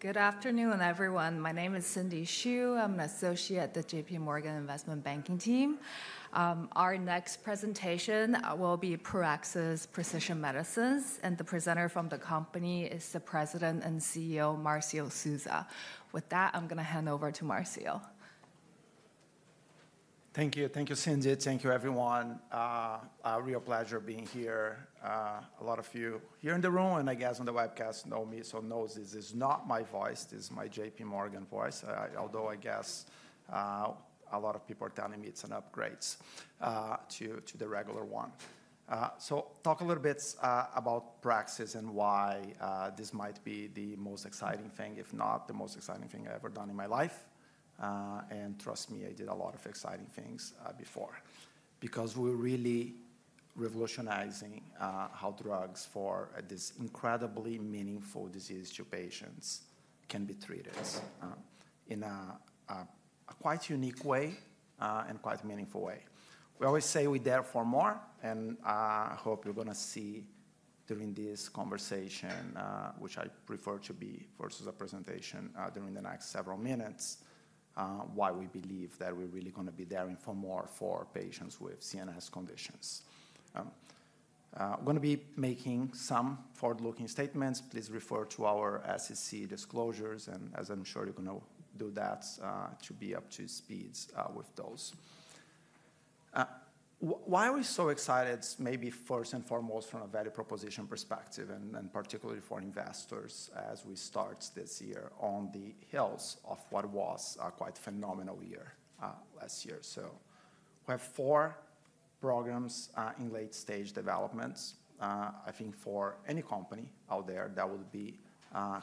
All right. Good afternoon, everyone. My name is Cindy Xu. I'm an associate at the JPMorgan Investment Banking team. Our next presentation will be Praxis Precision Medicines, and the presenter from the company is the President and CEO, Marcio Souza. With that, I'm going to hand over to Marcio. Thank you. Thank you, Cindy. Thank you, everyone. A real pleasure being here. A lot of you here in the room and, I guess, on the webcast know me, so know this is not my voice. This is my J.P. Morgan voice, although, I guess, a lot of people are telling me it's an upgrade to the regular one, so talk a little bit about Praxis and why this might be the most exciting thing, if not the most exciting thing I've ever done in my life, and trust me, I did a lot of exciting things before because we're really revolutionizing how drugs for this incredibly meaningful disease to patients can be treated in a quite unique way and quite a meaningful way. We always say we dare for more, and I hope you're going to see during this conversation, which I prefer to be versus a presentation during the next several minutes, why we believe that we're really going to be daring for more for patients with CNS conditions. We're going to be making some forward-looking statements. Please refer to our SEC disclosures, and as I'm sure you're going to do that, to be up to speed with those. Why are we so excited? Maybe first and foremost from a value proposition perspective, and particularly for investors as we start this year on the heels of what was a quite phenomenal year last year. So we have four programs in late-stage developments. I think for any company out there, that would be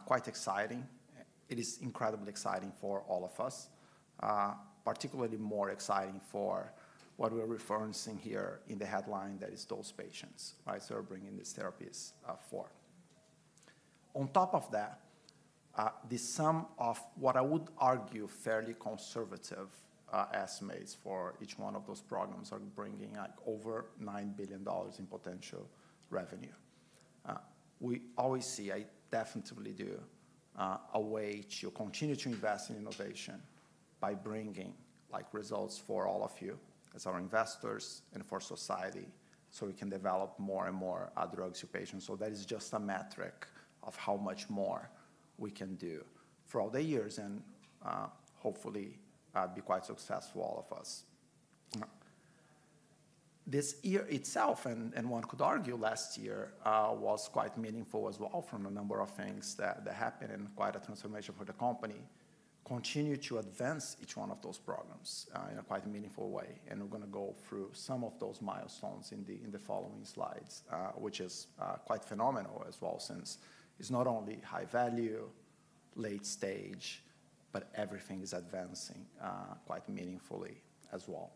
quite exciting. It is incredibly exciting for all of us, particularly more exciting for what we're referencing here in the headline that is those patients that are bringing these therapies for. On top of that, the sum of what I would argue fairly conservative estimates for each one of those programs are bringing over $9 billion in potential revenue. We always see, I definitely do, a way to continue to invest in innovation by bringing results for all of you as our investors and for society so we can develop more and more drugs for patients. So that is just a metric of how much more we can do throughout the years and hopefully be quite successful, all of us. This year itself, and one could argue last year, was quite meaningful as well from a number of things that happened and quite a transformation for the company. Continue to advance each one of those programs in a quite meaningful way, and we're going to go through some of those milestones in the following slides, which is quite phenomenal as well since it's not only high value, late stage, but everything is advancing quite meaningfully as well.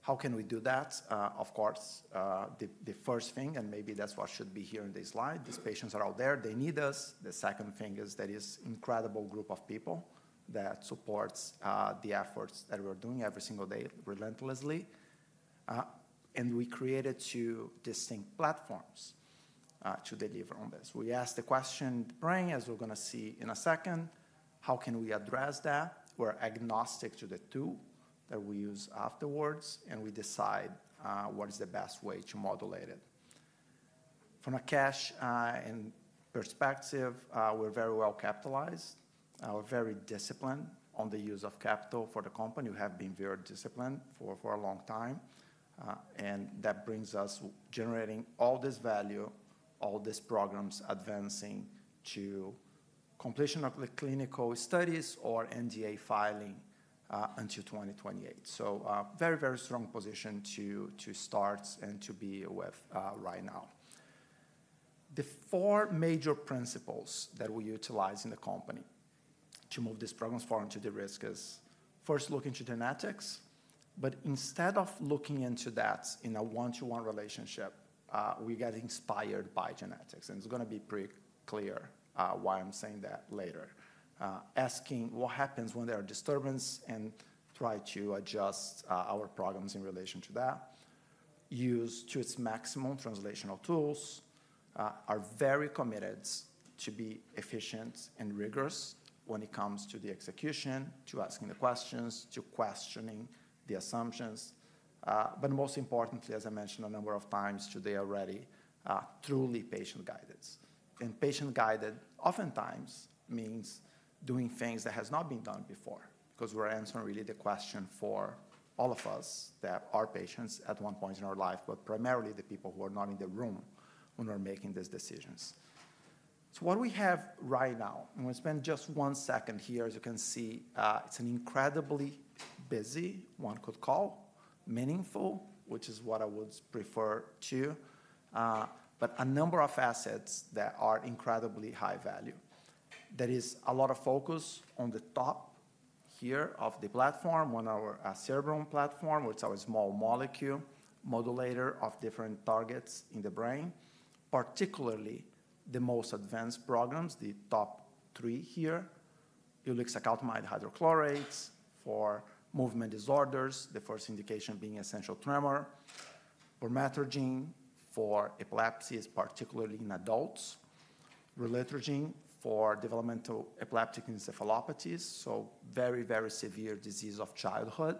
How can we do that? Of course, the first thing, and maybe that's what should be here in this slide: these patients are out there. They need us. The second thing is that it's an incredible group of people that supports the efforts that we're doing every single day relentlessly, and we created two distinct platforms to deliver on this. We asked the question in the brain, as we're going to see in a second, how can we address that? We're agnostic to the tool that we use afterwards, and we decide what is the best way to modulate it. From a cash perspective, we're very well capitalized. We're very disciplined on the use of capital for the company. We have been very disciplined for a long time. And that brings us generating all this value, all these programs advancing to completion of the clinical studies or NDA filing until 2028. So very, very strong position to start and to be with right now. The four major principles that we utilize in the company to move these programs forward to derisk is first looking to genetics, but instead of looking into that in a one-to-one relationship, we get inspired by genetics. And it's going to be pretty clear why I'm saying that later. Asking what happens when there are disturbances and try to adjust our programs in relation to that. Use to its maximum translational tools we are very committed to be efficient and rigorous when it comes to the execution, to asking the questions, to questioning the assumptions, but most importantly, as I mentioned a number of times today already, truly patient-guided, and patient-guided oftentimes means doing things that have not been done before because we're answering really the question for all of us that are patients at one point in our life, but primarily the people who are not in the room when we're making these decisions, so what we have right now, and we'll spend just one second here, as you can see, it's an incredibly busy, one could call meaningful, which is what I would refer to, but a number of assets that are incredibly high value. That is a lot of focus on the top here of the platform, one of our Cerebrum platform, which is our small molecule modulator of different targets in the brain, particularly the most advanced programs, the top three here. Ulixacaltamide for movement disorders, the first indication being essential tremor, PRAX-628 for epilepsy, particularly in adults, relutrigine for developmental epileptic encephalopathies, so very, very severe disease of childhood,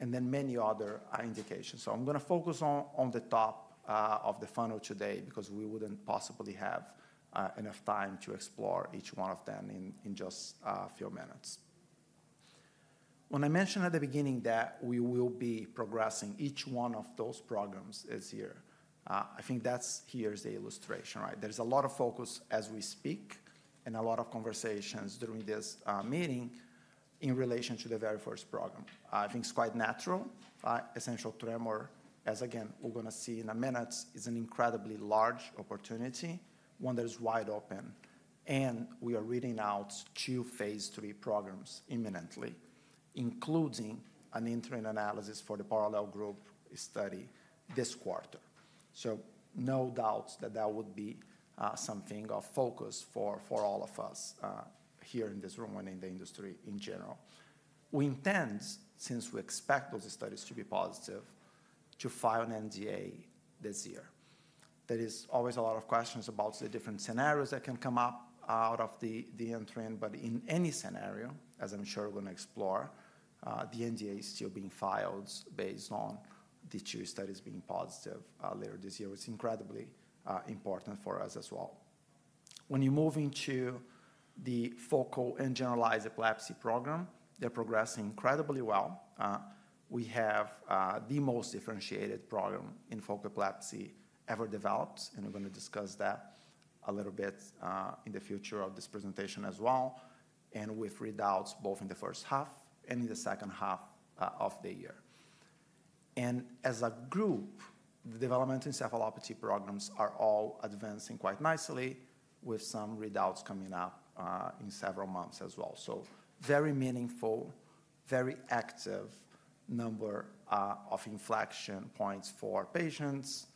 and then many other indications. So I'm going to focus on the top of the funnel today because we wouldn't possibly have enough time to explore each one of them in just a few minutes. When I mentioned at the beginning that we will be progressing each one of those programs this year, I think that's, here's the illustration, right? There's a lot of focus as we speak and a lot of conversations during this meeting in relation to the very first program. I think it's quite natural. Essential tremor, as again, we're going to see in a minute, is an incredibly large opportunity, one that is wide open. And we are reading out two Phase 3 programs imminently, including an interim analysis for the parallel group study this quarter. So no doubt that that would be something of focus for all of us here in this room and in the industry in general. We intend, since we expect those studies to be positive, to file an NDA this year. There is always a lot of questions about the different scenarios that can come up out of the interim, but in any scenario, as I'm sure we're going to explore, the NDA is still being filed based on the two studies being positive later this year. It's incredibly important for us as well. When you move into the focal and generalized epilepsy program, they're progressing incredibly well. We have the most differentiated program in focal epilepsy ever developed, and we're going to discuss that a little bit in the future of this presentation as well. We've read out both in the first half and in the second half of the year. As a group, the developmental encephalopathy programs are all advancing quite nicely with some readouts coming up in several months as well. So very meaningful, very active number of inflection points for patients,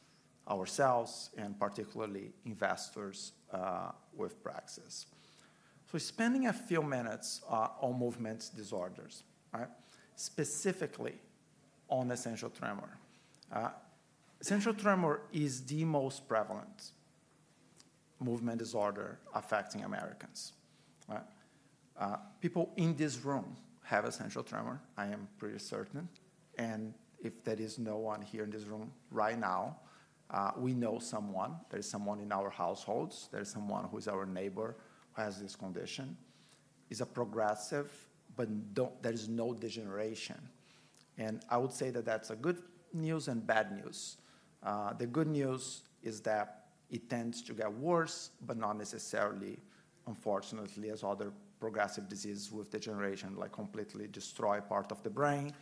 ourselves, and particularly investors with Praxis. So spending a few minutes on movement disorders, specifically on essential tremor. Essential tremor is the most prevalent movement disorder affecting Americans. People in this room have essential tremor, I am pretty certain. And if there is no one here in this room right now, we know someone. There is someone in our households. There is someone who is our neighbor who has this condition. It's a progressive, but there is no degeneration. And I would say that that's good news and bad news. The good news is that it tends to get worse, but not necessarily, unfortunately, as other progressive diseases with degeneration like completely destroy part of the brain.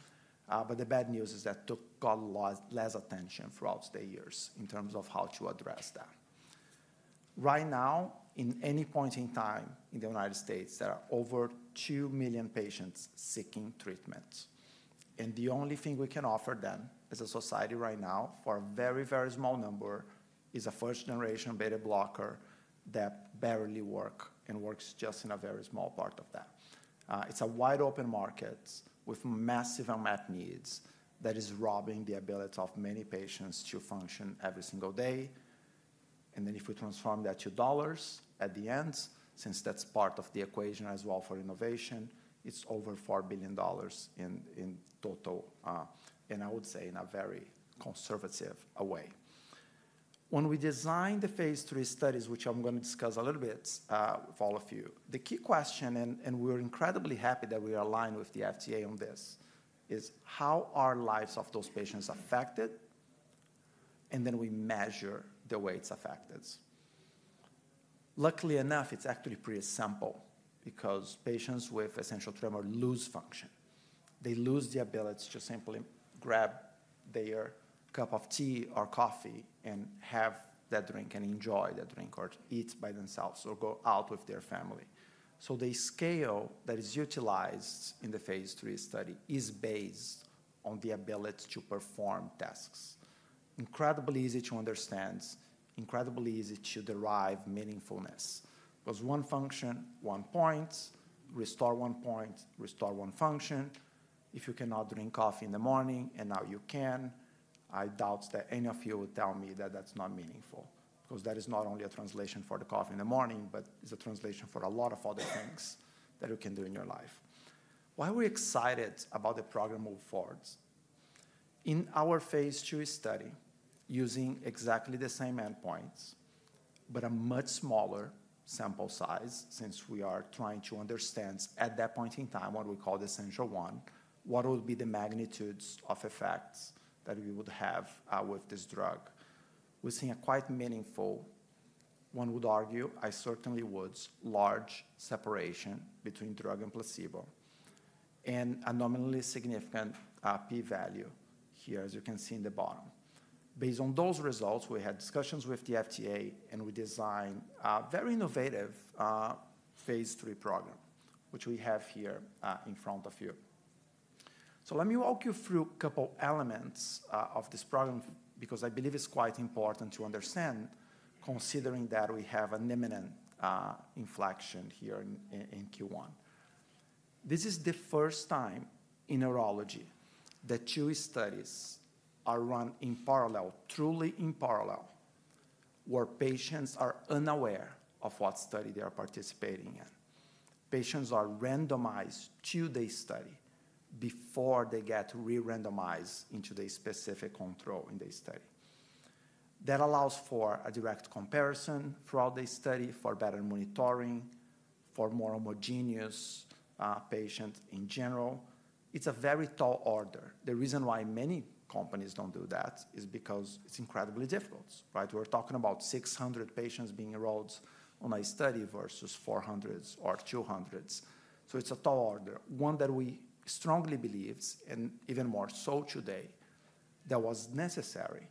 But the bad news is that took a lot less attention throughout the years in terms of how to address that. Right now, in any point in time in the United States, there are over 2 million patients seeking treatment. The only thing we can offer them as a society right now for a very, very small number is a first-generation beta blocker that barely works and works just in a very small part of that. It's a wide open market with massive unmet needs that is robbing the ability of many patients to function every single day. Then if we transform that to dollars at the end, since that's part of the equation as well for innovation, it's over $4 billion in total, and I would say in a very conservative way. When we design the phase three studies, which I'm going to discuss a little bit with all of you, the key question, and we're incredibly happy that we are aligned with the FDA on this, is how are lives of those patients affected? And then we measure the way it's affected. Luckily enough, it's actually pretty simple because patients with essential tremor lose function. They lose the ability to simply grab their cup of tea or coffee and have that drink and enjoy that drink or eat by themselves or go out with their family. So the scale that is utilized in the phase three study is based on the ability to perform tasks. Incredibly easy to understand, incredibly easy to derive meaningfulness. Because one function, one point, restore one point, restore one function. If you cannot drink coffee in the morning and now you can, I doubt that any of you would tell me that that's not meaningful because that is not only a translation for the coffee in the morning, but it's a translation for a lot of other things that you can do in your life. Why are we excited about the program move forwards? In our phase two study, using exactly the same endpoints, but a much smaller sample size since we are trying to understand at that point in time what we call the Essential1, what would be the magnitudes of effects that we would have with this drug? We're seeing a quite meaningful, one would argue, I certainly would, large separation between drug and placebo, and a nominally significant P-Value here, as you can see in the bottom. Based on those results, we had discussions with the FDA, and we designed a very innovative phase three program, which we have here in front of you. So let me walk you through a couple of elements of this program because I believe it's quite important to understand considering that we have an imminent inflection here in Q1. This is the first time in neurology that two studies are run in parallel, truly in parallel, where patients are unaware of what study they are participating in. Patients are randomized to the study before they get re-randomized into the specific control in the study. That allows for a direct comparison throughout the study for better monitoring, for more homogeneous patients in general. It's a very tall order. The reason why many companies don't do that is because it's incredibly difficult. We're talking about 600 patients being enrolled on a study versus 400 or 200. So it's a tall order. One that we strongly believe, and even more so today, that was necessary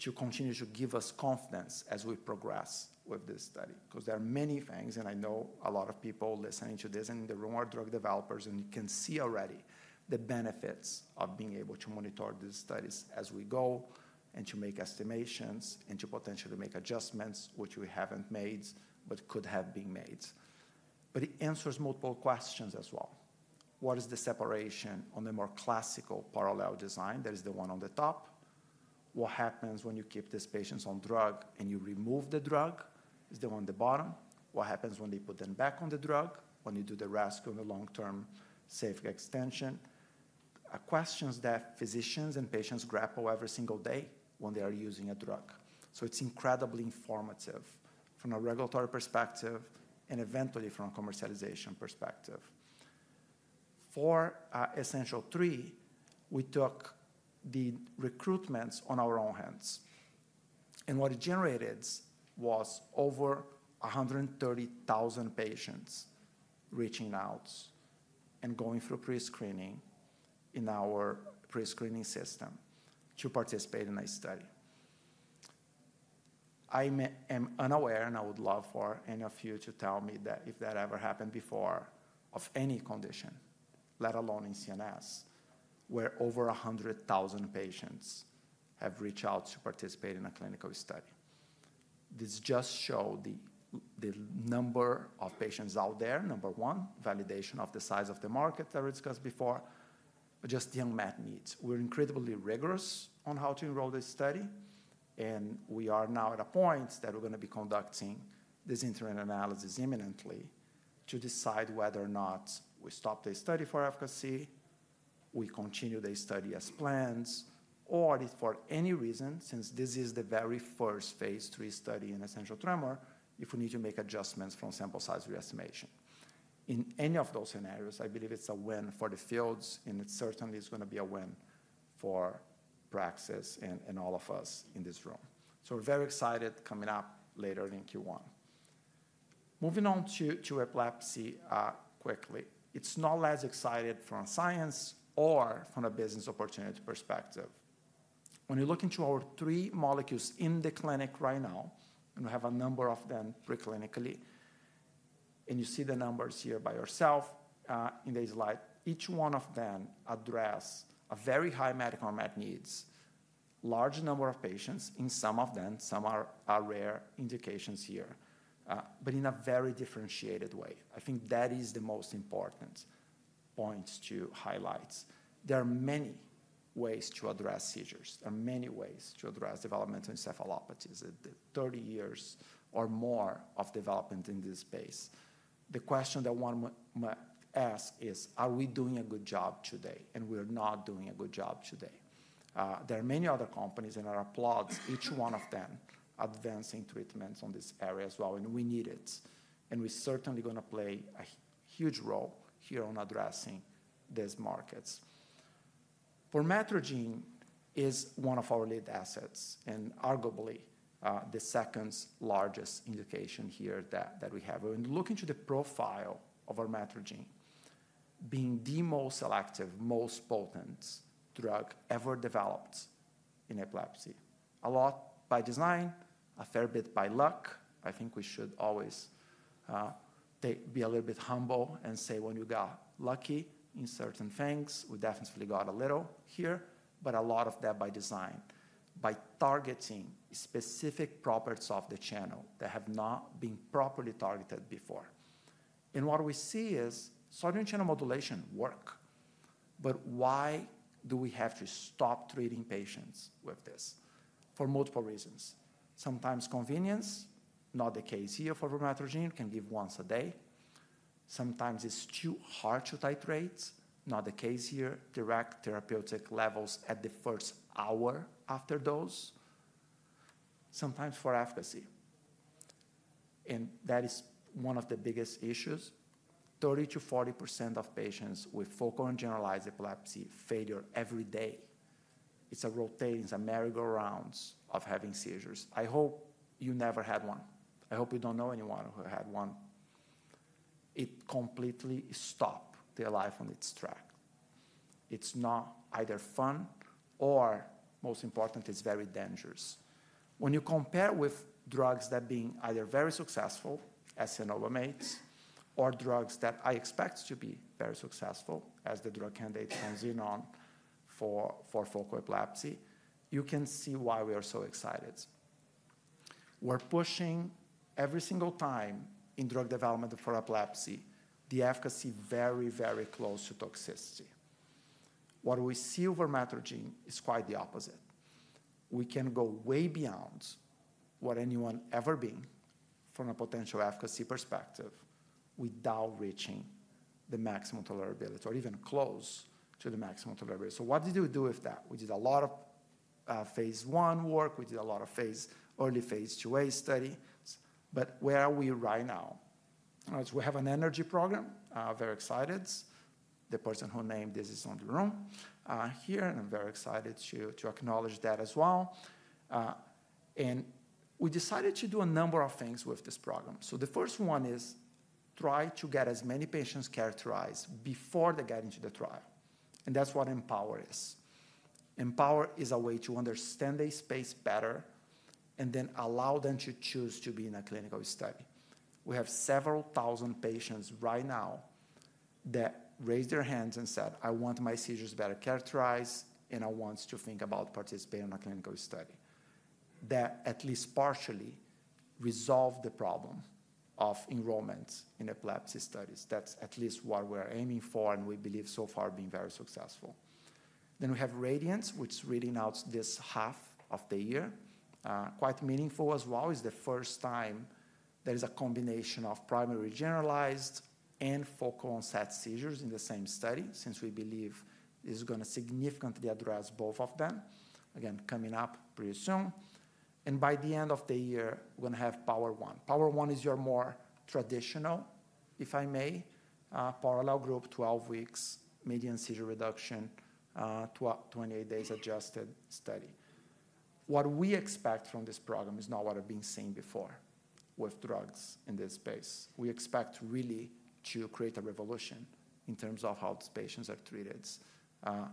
to continue to give us confidence as we progress with this study because there are many things, and I know a lot of people listening to this in the room are drug developers, and you can see already the benefits of being able to monitor these studies as we go and to make estimations and to potentially make adjustments, which we haven't made but could have been made. But it answers multiple questions as well. What is the separation on the more classical parallel design that is the one on the top? What happens when you keep these patients on drug and you remove the drug is the one on the bottom. What happens when they put them back on the drug when you do the rescue in the long-term safety extension? Questions that physicians and patients grapple every single day when they are using a drug. So it's incredibly informative from a regulatory perspective and eventually from a commercialization perspective. For Essential3, we took the recruitment into our own hands, and what it generated was over 130,000 patients reaching out and going through pre-screening in our pre-screening system to participate in a study. I am unaware, and I would love for any of you to tell me that if that ever happened before of any condition, let alone in CNS, where over 100,000 patients have reached out to participate in a clinical study. This just showed the number of patients out there, number one, validation of the size of the market that we discussed before, but just the unmet needs. We're incredibly rigorous on how to enroll this study. We are now at a point that we're going to be conducting this interim analysis imminently to decide whether or not we stop the study for efficacy, we continue the study as planned, or if for any reason, since this is the very first Phase 3 study in essential tremor, if we need to make adjustments from sample size re-estimation. In any of those scenarios, I believe it's a win for the fields, and it certainly is going to be a win for Praxis and all of us in this room. We're very excited coming up later in Q1. Moving on to epilepsy quickly, it's not less excited from a science or from a business opportunity perspective. When you look into our three molecules in the clinic right now, and we have a number of them preclinically, and you see the numbers here by yourself in the slide, each one of them addresses very high medical unmet needs, large number of patients in some of them, some are rare indications here, but in a very differentiated way. I think that is the most important point to highlight. There are many ways to address seizures. There are many ways to address developmental encephalopathies, the 30 years or more of development in this space. The question that one must ask is, are we doing a good job today, and we are not doing a good job today. There are many other companies, and I applaud each one of them advancing treatments on this area as well, and we need it. We're certainly going to play a huge role here on addressing these markets. PRAX-628 is one of our lead assets and arguably the second largest indication here that we have. When you look into the profile of our PRAX-628, being the most selective, most potent drug ever developed in epilepsy. A lot by design, a fair bit by luck. I think we should always be a little bit humble and say when you got lucky in certain things, we definitely got a little here, but a lot of that by design, by targeting specific properties of the channel that have not been properly targeted before. What we see is sodium channel modulation work, but why do we have to stop treating patients with this? For multiple reasons. Sometimes convenience, not the case here for PRAX-628, can give once a day. Sometimes it's too hard to titrate, not the case here, direct therapeutic levels at the first hour after dose. Sometimes for efficacy, and that is one of the biggest issues. 30% to 40% of patients with focal and generalized epilepsy fail every day. It's a rotating merry-go-round of having seizures. I hope you never had one. I hope you don't know anyone who had one. It completely stopped their life on its track. It's not either fun or, most important, it's very dangerous. When you compare with drugs that are being either very successful as cenobamate or drugs that I expect to be very successful as the drug candidate Xenon for focal epilepsy, you can see why we are so excited. We're pushing every single time in drug development for epilepsy, the efficacy very, very close to toxicity. What we see with PRAX-628 is quite the opposite. We can go way beyond what anyone has ever seen from a potential efficacy perspective without reaching the maximum tolerability or even close to the maximum tolerability, so what did we do with that? We did a lot of Phase 1 work. We did a lot of early Phase 2a study, but where are we right now? We have an Empower program, very excited. The person who named this is in the room here, and I'm very excited to acknowledge that as well, and we decided to do a number of things with this program, so the first one is try to get as many patients characterized before they get into the trial, and that's what Empower is. Empower is a way to understand the space better and then allow them to choose to be in a clinical study. We have several thousand patients right now that raised their hands and said, I want my seizures better characterized, and I want to think about participating in a clinical study. That at least partially resolved the problem of enrollment in epilepsy studies. That's at least what we're aiming for and we believe so far being very successful. Then we have Radiant, which is reading out this half of the year. Quite meaningful as well is the first time there is a combination of primary generalized and focal onset seizures in the same study since we believe it's going to significantly address both of them. Again, coming up pretty soon. And by the end of the year, we're going to have Power1. Power1 is your more traditional, if I may, parallel group, 12 weeks, median seizure reduction, 28 days adjusted study. What we expect from this program is not what we've been seeing before with drugs in this space. We expect really to create a revolution in terms of how these patients are treated.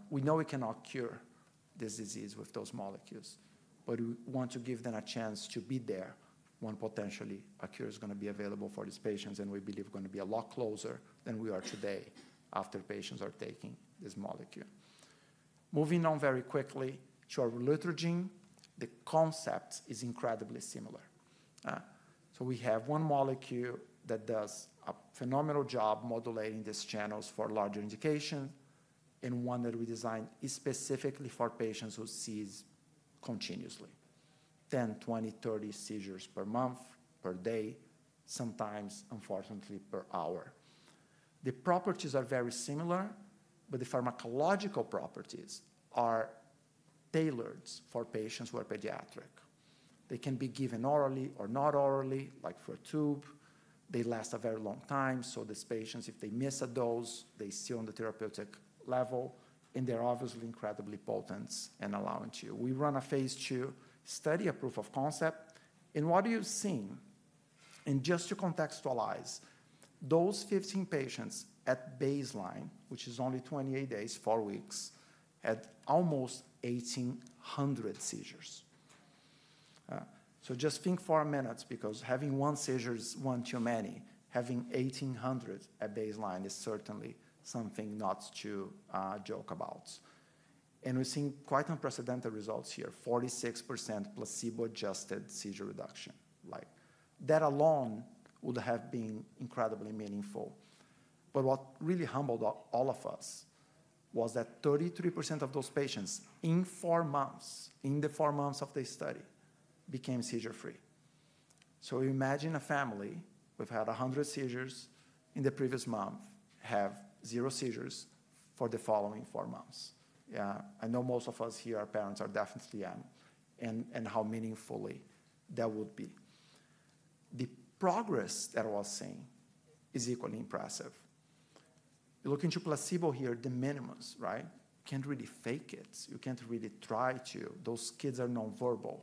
We know we cannot cure this disease with those molecules, but we want to give them a chance to be there when potentially a cure is going to be available for these patients. And we believe we're going to be a lot closer than we are today after patients are taking this molecule. Moving on very quickly to our relutrigine, the concept is incredibly similar. So we have one molecule that does a phenomenal job modulating these channels for larger indication and one that we designed specifically for patients who seize continuously, 10, 20, 30 seizures per month, per day, sometimes, unfortunately, per hour. The properties are very similar, but the pharmacological properties are tailored for patients who are pediatric. They can be given orally or not orally, like through a tube. They last a very long time. So these patients, if they miss a dose, they're still on the therapeutic level, and they're obviously incredibly potent and allowing to. We run a Phase 2 study, a proof of concept. And what are you seeing? And just to contextualize, those 15 patients at baseline, which is only 28 days, four weeks, had almost 1,800 seizures. So just think for a minute because having one seizure is one too many. Having 1,800 at baseline is certainly something not to joke about. And we're seeing quite unprecedented results here, 46% placebo-adjusted seizure reduction. That alone would have been incredibly meaningful. But what really humbled all of us was that 33% of those patients in four months, in the four months of the study, became seizure-free. So imagine a family with 100 seizures in the previous month have zero seizures for the following four months. I know most of us here, our parents are definitely young and how meaningfully that would be. The progress that I was seeing is equally impressive. Looking to placebo here, the minimums, right? You can't really fake it. You can't really try to. Those kids are nonverbal.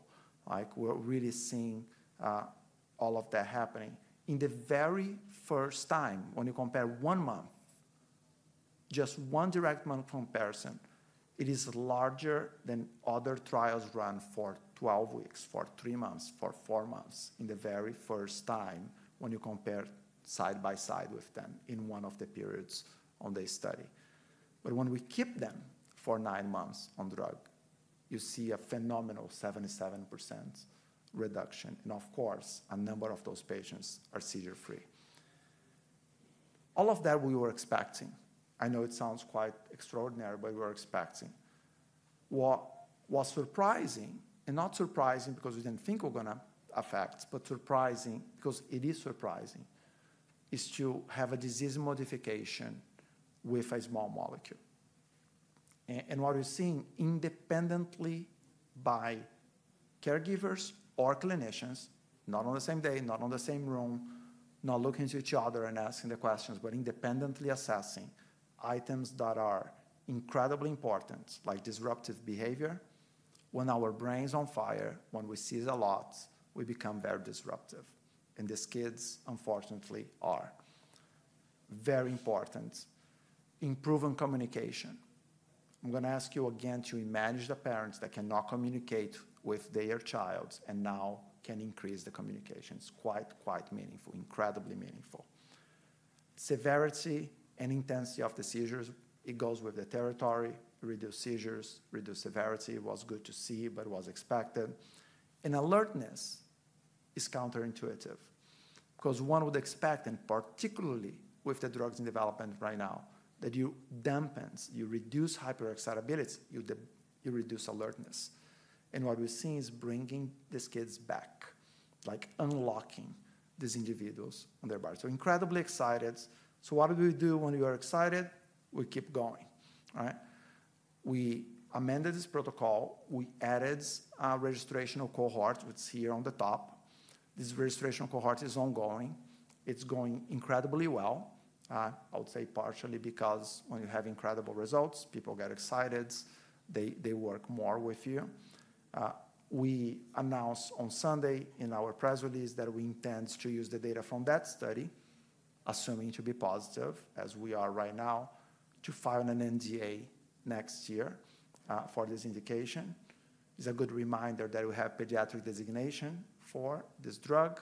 We're really seeing all of that happening. In the very first time, when you compare one month, just one direct month comparison, it is larger than other trials run for 12 weeks, for three months, for four months. In the very first time when you compare side by side with them in one of the periods on the study. But when we keep them for nine months on drug, you see a phenomenal 77% reduction. And of course, a number of those patients are seizure-free. All of that we were expecting. I know it sounds quite extraordinary, but we were expecting. What was surprising, and not surprising because we didn't think we're going to affect, but surprising because it is surprising, is to have a disease modification with a small molecule. And what we're seeing independently by caregivers or clinicians, not on the same day, not in the same room, not looking to each other and asking the questions, but independently assessing items that are incredibly important, like disruptive behavior. When our brain's on fire, when we seize a lot, we become very disruptive. And these kids, unfortunately, are very important. Improving communication. I'm going to ask you again to imagine the parents that cannot communicate with their child and now can increase the communication. It's quite, quite meaningful, incredibly meaningful. Severity and intensity of the seizures, it goes with the territory. Reduced seizures, reduced severity was good to see, but was expected, and alertness is counterintuitive because one would expect, and particularly with the drugs in development right now, that you dampen, you reduce hyper-excitability, you reduce alertness, and what we've seen is bringing these kids back, like unlocking these individuals on their body, so incredibly excited, so what do we do when we are excited? We keep going, right? We amended this protocol. We added registrational cohorts, which is here on the top. This registrational cohorts is ongoing. It's going incredibly well. I would say partially because when you have incredible results, people get excited. They work more with you. We announced on Sunday in our press release that we intend to use the data from that study, assuming to be positive as we are right now, to file an NDA next year for this indication. It's a good reminder that we have pediatric designation for this drug.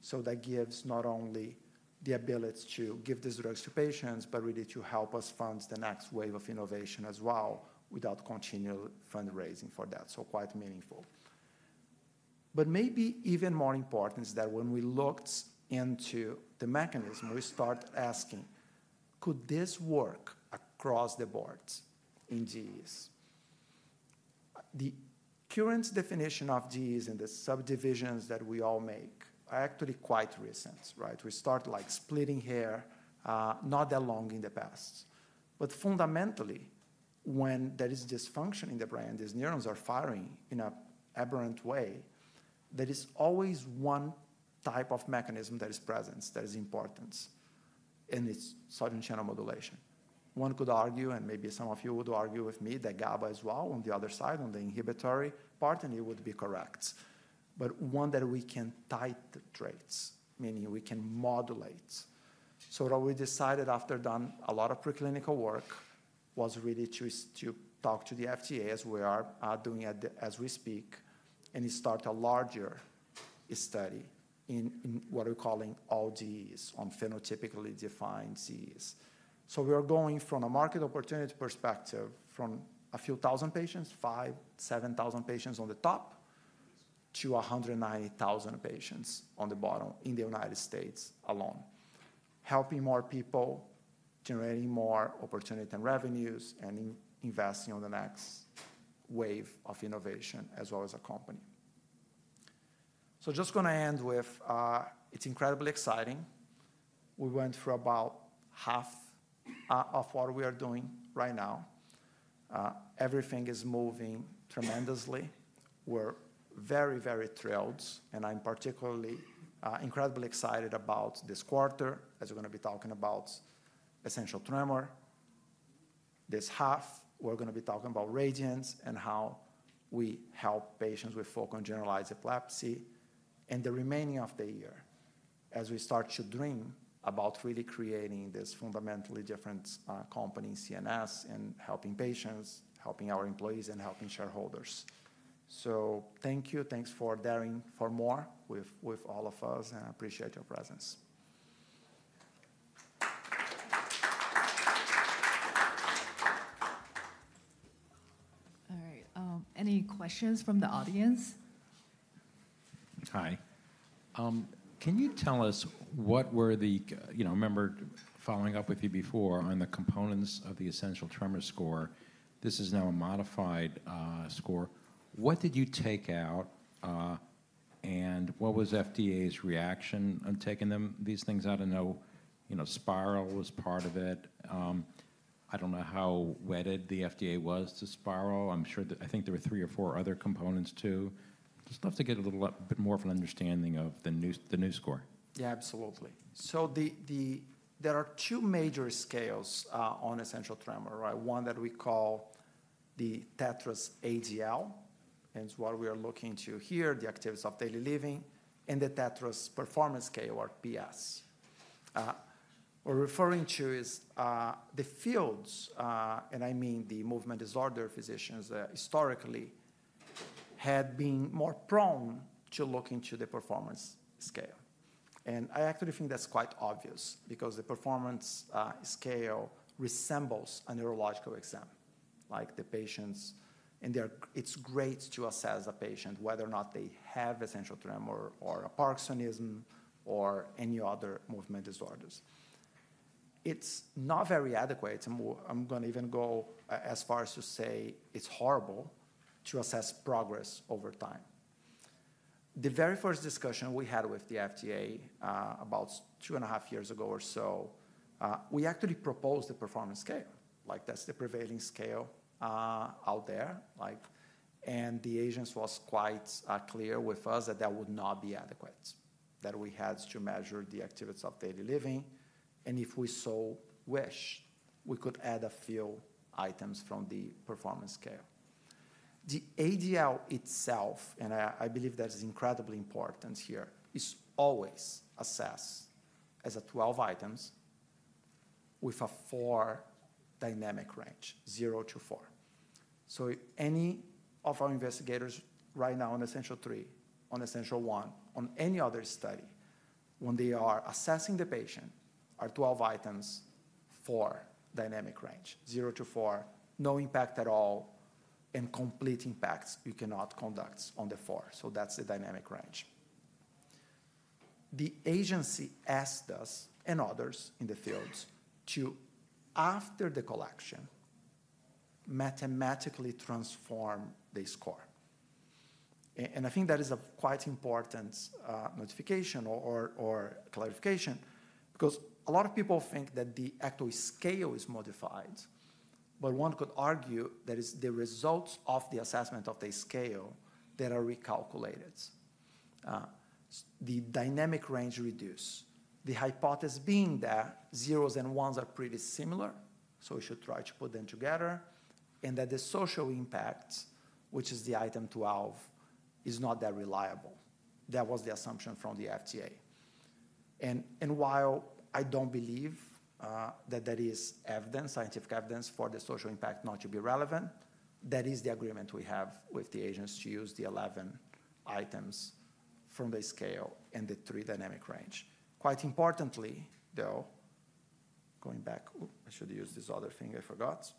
So that gives not only the ability to give these drugs to patients, but really to help us fund the next wave of innovation as well without continual fundraising for that. So quite meaningful. But maybe even more important is that when we looked into the mechanism, we start asking, could this work across the board in GEs? The current definition of GEs and the subdivisions that we all make are actually quite recent, right? We start like splitting hairs not that long in the past. But fundamentally, when there is dysfunction in the brain, these neurons are firing in an aberrant way. There is always one type of mechanism that is present that is important, and it's sodium channel modulation. One could argue, and maybe some of you would argue with me, that GABA as well on the other side on the inhibitory part, and it would be correct. But one that we can titrate, meaning we can modulate. So what we decided after doing a lot of preclinical work was really to talk to the FDA as we are doing it as we speak, and start a larger study in what we're calling all GEs on phenotypically defined GEs. So we are going from a market opportunity perspective from a few thousand patients, five, seven thousand patients on the top to 190,000 patients on the bottom in the United States alone, helping more people, generating more opportunity and revenues, and investing on the next wave of innovation as well as a company. So just going to end with, it's incredibly exciting. We went through about half of what we are doing right now. Everything is moving tremendously. We're very, very thrilled, and I'm particularly incredibly excited about this quarter as we're going to be talking about essential tremor. This half, we're going to be talking about Radiant and how we help patients with focal and generalized epilepsy and the remaining of the year as we start to dream about really creating this fundamentally different company in CNS and helping patients, helping our employees, and helping shareholders. So thank you. Thanks for joining us all, and I appreciate your presence. All right. Any questions from the audience? Hi. Can you tell us what were the, you know, remember following up with you before on the components of the essential tremor score? This is now a modified score. What did you take out, and what was FDA's reaction on taking these things out? I know, you know, Spiral was part of it. I don't know how wedded the FDA was to Spiral. I'm sure that I think there were three or four other components too. Just love to get a little bit more of an understanding of the new score. Yeah, absolutely. So there are two major scales on essential tremor, right? One that we call the TETRAS ADL, and it's what we are looking to here, the activities of daily living, and the TETRAS Performance Scale, or PS. What we're referring to is the fields, and I mean the movement disorder physicians historically had been more prone to looking to the performance scale. And I actually think that's quite obvious because the performance scale resembles a neurological exam, like the patients, and it's great to assess a patient whether or not they have essential tremor or a parkinsonism or any other movement disorders. It's not very adequate. I'm going to even go as far as to say it's horrible to assess progress over time. The very first discussion we had with the FDA about two and a half years ago or so, we actually proposed the performance scale. Like that's the prevailing scale out there. The agency was quite clear with us that that would not be adequate, that we had to measure the activities of daily living. If we so wished, we could add a few items from the performance scale. The ADL itself, and I believe that is incredibly important here, is always assessed as 12 items with a 4-point dynamic range, 0 to 4. Any of our investigators right now on Essential3, on Essential1, on any other study, when they are assessing the patient, are 12 items, 4-point dynamic range, 0 to 4, no impact at all, and complete impact you cannot conduct on the 4. That's the dynamic range. The agency asked us and others in the field to, after the collection, mathematically transform the score. I think that is a quite important notification or clarification because a lot of people think that the actual scale is modified, but one could argue that it's the results of the assessment of the scale that are recalculated. The dynamic range reduced. The hypothesis being that zeros and ones are pretty similar, so we should try to put them together, and that the social impact, which is the item 12, is not that reliable. That was the assumption from the FDA. While I don't believe that there is evidence, scientific evidence for the social impact not to be relevant, that is the agreement we have with the agency to use the 11 items from the scale and the three dynamic range. Quite importantly, though, going back, I should use this other thing I forgot.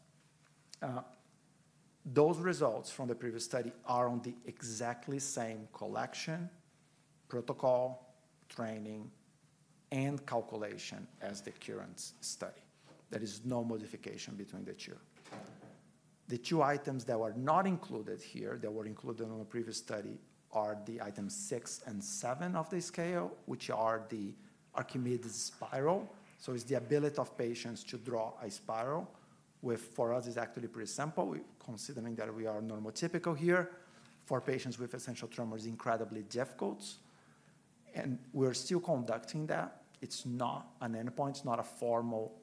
Those results from the previous study are on the exactly same collection, protocol, training, and calculation as the current study. There is no modification between the two. The two items that were not included here, that were included in a previous study, are the items six and seven of the scale, which are the Archimedes spiral. So it's the ability of patients to draw a spiral, which for us is actually pretty simple, considering that we are neurotypical here. For patients with essential tremors, incredibly difficult. And we're still conducting that. It's not an endpoint. It's not a formal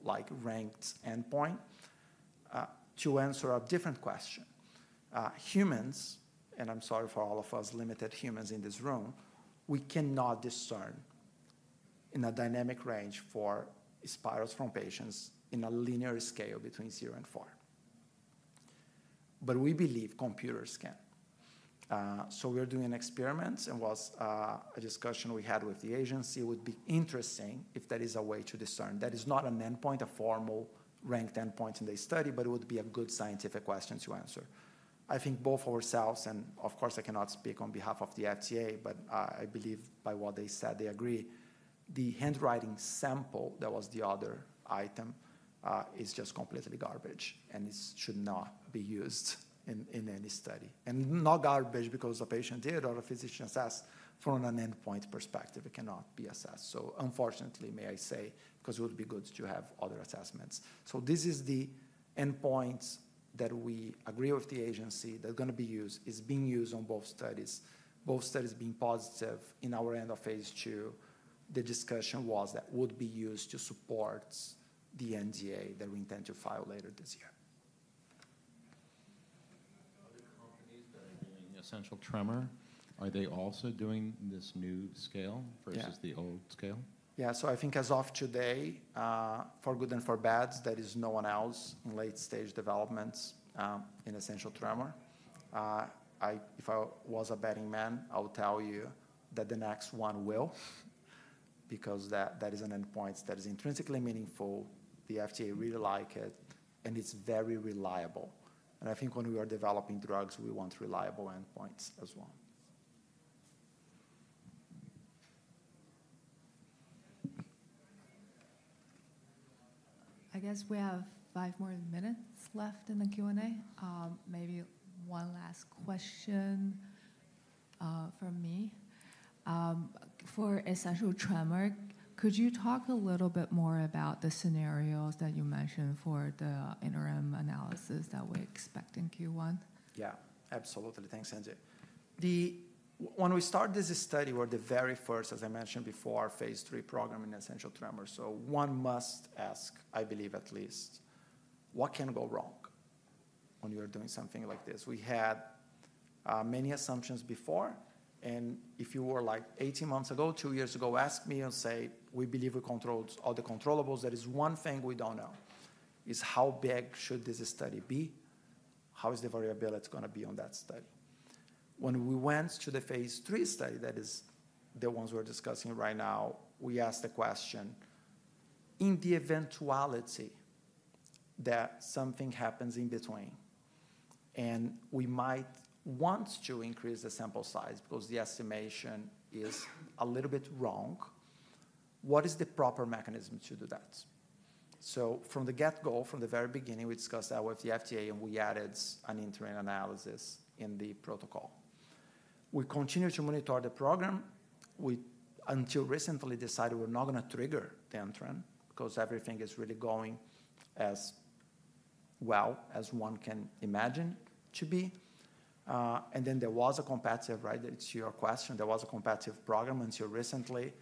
ranked endpoint. To answer a different question, humans, and I'm sorry for all of us limited humans in this room, we cannot discern in a dynamic range for spirals from patients in a linear scale between zero and four. But we believe computers can. So we're doing experiments, and was a discussion we had with the agency. It would be interesting if there is a way to discern. That is not an endpoint, a formal ranked endpoint in the study, but it would be a good scientific question to answer. I think both ourselves, and of course, I cannot speak on behalf of the FDA, but I believe by what they said, they agree. The handwriting sample that was the other item is just completely garbage, and it should not be used in any study. And not garbage because a patient did or a physician assessed from an endpoint perspective. It cannot be assessed. So unfortunately, may I say, because it would be good to have other assessments. So this is the endpoint that we agree with the agency that's going to be used, is being used on both studies. Both studies being positive at our end of Phase 2, the discussion was that would be used to support the NDA that we intend to file later this year. Other companies that are doing essential tremor, are they also doing this new scale? Yeah. Versus the old scale? Yeah, so I think as of today, for good and for bad, there is no one else in late-stage developments in essential tremor. If I was a betting man, I would tell you that the next one will because that is an endpoint that is intrinsically meaningful. The FDA really likes it, and it's very reliable, and I think when we are developing drugs, we want reliable endpoints as well. I guess we have five more minutes left in the Q and A. Maybe one last question from me. For essential tremor, could you talk a little bit more about the scenarios that you mentioned for the interim analysis that we expect in Q1? Yeah, absolutely. Thanks, Angie. When we started this study, we were the very first, as I mentioned before, Phase 3 program in essential tremor. So one must ask, I believe at least, what can go wrong when you are doing something like this? We had many assumptions before, and if you were like 18 months ago, two years ago, ask me and say, we believe we controlled all the controllables, there is one thing we don't know, is how big should this study be? How is the variability going to be on that study? When we went to the Phase 3 study, that is the ones we're discussing right now, we asked the question, in the eventuality that something happens in between and we might want to increase the sample size because the estimation is a little bit wrong, what is the proper mechanism to do that? From the get-go, from the very beginning, we discussed that with the FDA and we added an interim analysis in the protocol. We continue to monitor the program. We until recently decided we're not going to trigger the interim because everything is really going as well as one can imagine to be. And then there was a competitive, right? It's your question. There was a competitive program until recently,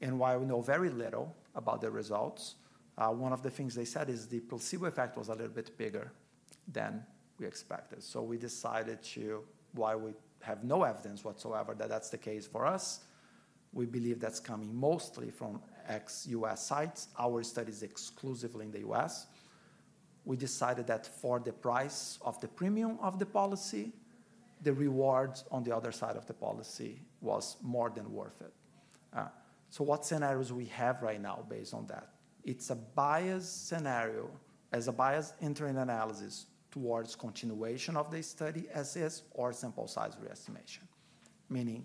and while we know very little about the results, one of the things they said is the placebo effect was a little bit bigger than we expected. So we decided to, while we have no evidence whatsoever that that's the case for us, we believe that's coming mostly from ex-US sites. Our study is exclusively in the U.S. We decided that for the price of the premium of the policy, the reward on the other side of the policy was more than worth it. So what scenarios we have right now based on that? It's a biased scenario as a biased interim analysis towards continuation of the study as is or sample size re-estimation, meaning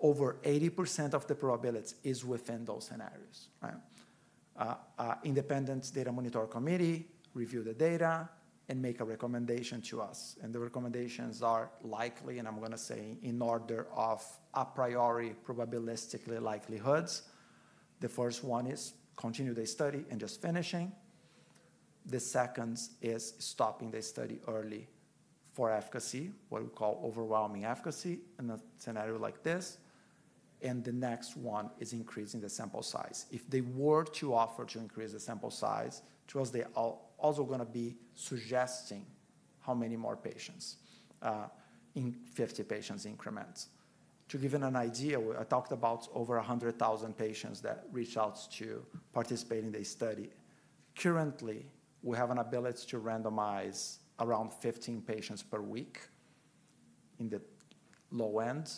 over 80% of the probability is within those scenarios. Independent Data Monitoring Committee reviews the data and makes a recommendation to us. And the recommendations are likely, and I'm going to say in order of a priori, probabilistically likelihoods. The first one is continue the study and just finishing. The second is stopping the study early for efficacy, what we call overwhelming efficacy in a scenario like this. And the next one is increasing the sample size. If they were to offer to increase the sample size, trust they are also going to be suggesting how many more patients in 50-patient increments. To give you an idea, I talked about over 100,000 patients that reached out to participate in the study. Currently, we have an ability to randomize around 15 patients per week in the low end,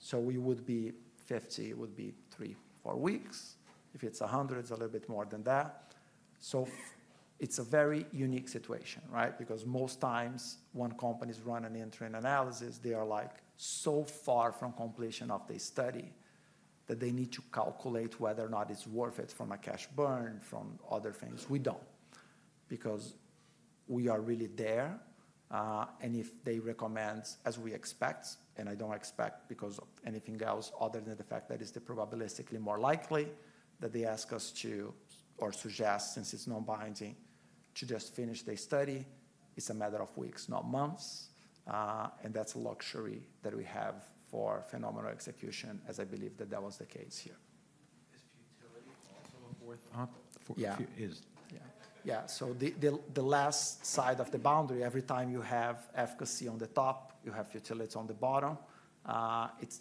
so we would be 50, it would be three, four weeks. If it's 100, it's a little bit more than that, so it's a very unique situation, right? Because most times when companies run an interim analysis, they are like so far from completion of the study that they need to calculate whether or not it's worth it from a cash burn, from other things. We don't because we are really there. And if they recommend as we expect, and I don't expect because of anything else other than the fact that it's probabilistically more likely that they ask us to or suggest, since it's non-binding, to just finish the study, it's a matter of weeks, not months. And that's a luxury that we have for phenomenal execution, as I believe that that was the case here. Is futility also a fourth? Yeah. Yeah. Yeah. So the last side of the boundary, every time you have efficacy on the top, you have futility on the bottom. It's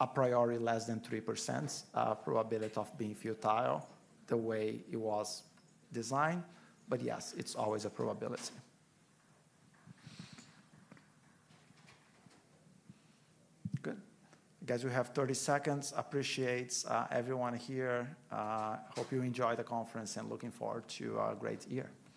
a priori less than 3% probability of being futile the way it was designed. But yes, it's always a probability. Good. I guess we have 30 seconds. Appreciate everyone here. Hope you enjoy the conference and looking forward to a great year.